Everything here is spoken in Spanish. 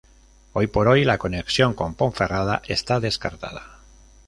Hoy por hoy, la conexión con Ponferrada está descartada.